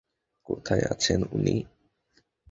কোথায় আছেন উনি?